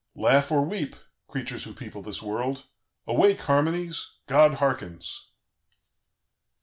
"Laugh or weep, creatures who people this world. "Awake, harmonies! God hearkens!